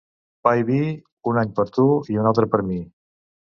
Pa i vi, un any per tu i un altre per mi.